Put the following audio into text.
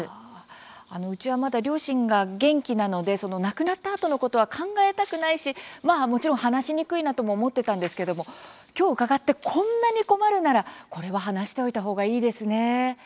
うちはまだ両親が元気なので亡くなったあとのことは考えたくないしもちろん話しにくいなとも思ってたんですけども今日伺ってこんなに困るなら、これは話しておいた方がいいですね。